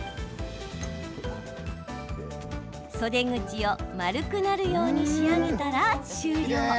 袖口を丸くなるように仕上げたら終了。